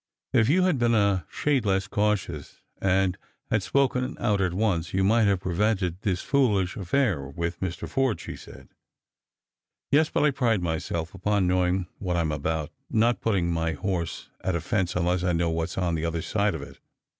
" If you had been a shade less cautious, and had spoken oilt at once, you might have prevented this foolish affair with Mr. Forde," she said. " Yes, but I pride myself upon knowing what I'm about — not putting my horse at a fence unless I know what's on the other side of it.